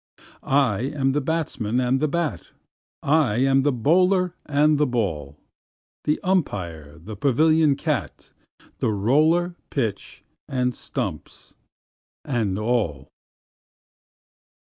I am the batsman and the bat, I am the bowler and the ball, The umpire, the pavilion cat, The roller, pitch, and stumps, and all.